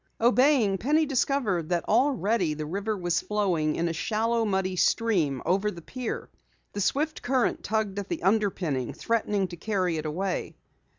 Obeying, Penny discovered that already the river was flowing in a shallow, muddy stream over the pier. The swift current tugged at the underpinning, threatening to carry it away.